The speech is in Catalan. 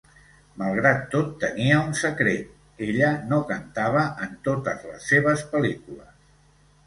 Malgrat tot, tenia un secret: ella no cantava en totes les seves pel·lícules.